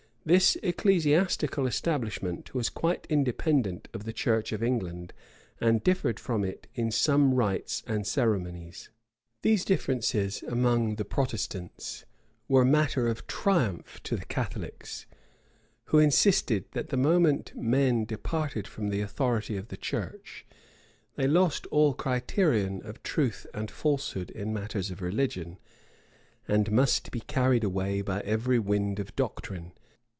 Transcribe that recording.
This ecclesiastical establishment was quite independent of the church of England, and differed from it in some rites and ceremonies.[*] These differences among the Protestants were matter of triumph to the Catholics; who insisted, that the moment men departed from the authority of the church, they lost all criterion of truth and falsehood in matters of religion, and must be carried away by every wind of doctrine.